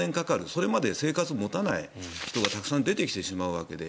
それまで生活が持たない人がたくさん出てきてしまうわけで。